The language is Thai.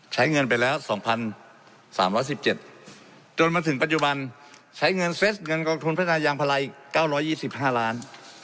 ใช้เงินไปแล้ว๒๓๑๗จนมาถึงปัจจุบันใช้เงินเซ็ตเงินกองทุนพัฒนายางพาราอีก๙๒๕ล้าน